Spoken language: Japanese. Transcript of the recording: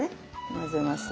混ぜます。